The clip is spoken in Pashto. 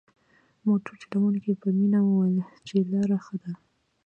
موټر چلوونکي په مينه وويل چې لاره ښه ده.